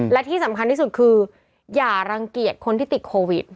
และที่สำคัญที่สุดคืออย่ารังเกียจคนที่ติดโควิด